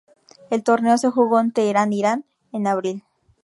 El torneo se jugó en Teherán, Irán en Abril.